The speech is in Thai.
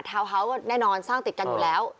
เฮาส์แน่นอนสร้างติดกันอยู่แล้ว